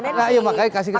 enggak saya gak ada tendensi